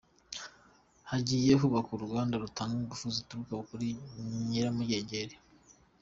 Hagiye kubakwa uruganda rutanga ingufu zituruka kuri nyiramugengeri